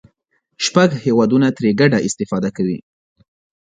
شپږ هېوادونه ترې ګډه استفاده کوي.